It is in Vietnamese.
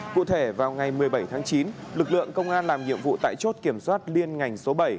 cụ thể vào ngày một mươi bảy tháng chín lực lượng công an làm nhiệm vụ tại chốt kiểm soát liên ngành số bảy